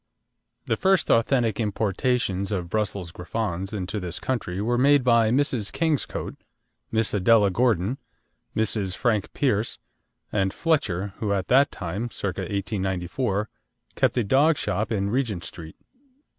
The first authentic importations of Brussels Griffons into this country were made by Mrs. Kingscote, Miss Adela Gordon, Mrs. Frank Pearce, and Fletcher, who at that time (circa 1894) kept a dog shop in Regent Street.